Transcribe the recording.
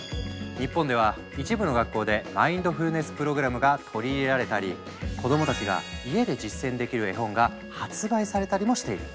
日本では一部の学校でマインドフルネス・プログラムが取り入れられたり子どもたちが家で実践できる絵本が発売されたりもしている。